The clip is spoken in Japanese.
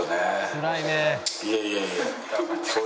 「つらいね」